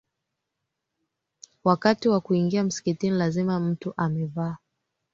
Wakati wa kuingia msikitini lazima mtu amevaa